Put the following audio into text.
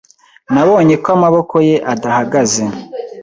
Nabonye ko amaboko ye adahagaze.